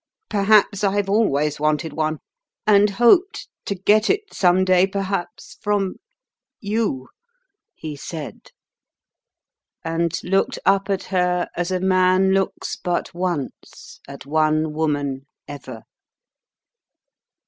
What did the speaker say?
Perhaps I've always wanted one. And hoped to get it some day perhaps from you!" he said. And looked up at her as a man looks but once at one woman ever.